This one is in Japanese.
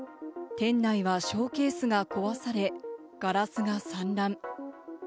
店内はショーケースが壊され、ガラスが散乱。